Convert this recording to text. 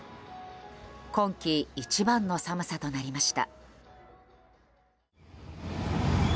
今季一番の寒さとなりました。